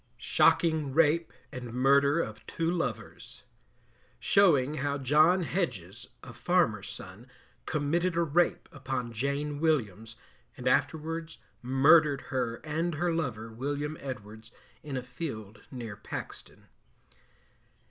SHOCKING RAPE AND MURDER OF TWO LOVERS. Showing how John Hedges, a farmer's son, committed a rape upon Jane Williams, and afterwards Murdered her and her lover, William Edwards, in a field near Paxton.